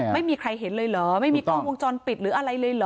ไม่มีใครเห็นเลยเหรอไม่มีกล้องวงจรปิดหรืออะไรเลยเหรอ